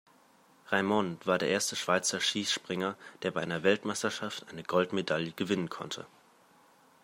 Reymond war der erste Schweizer Skispringer, der bei einer Weltmeisterschaft eine Goldmedaille gewinnen konnte.